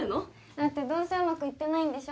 だってどうせうまくいってないんでしょ？